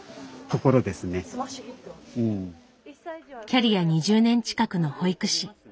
キャリア２０年近くの保育士。